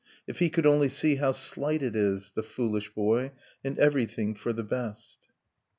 If he could only see how slight it is, The foolish boy ! and everything for the best